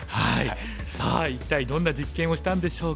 さあ一体どんな実験をしたんでしょうか。